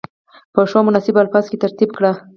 په ښو او مناسبو الفاظو کې ترتیب کړي.